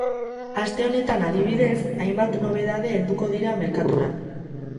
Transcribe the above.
Aste honetan adibidez, hainbat nobedade helduko dira merkatura.